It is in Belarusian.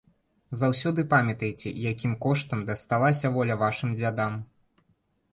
Заўсёды памятайце, якім коштам дасталася воля вашым дзядам!